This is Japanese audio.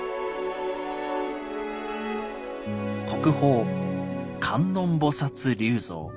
国宝「観音菩立像」。